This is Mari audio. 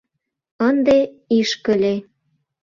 Ынде ишкыле!..